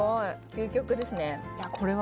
究極ですね。